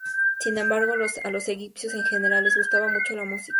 Sin embargo, a los egipcios en general les gustaba mucho la música.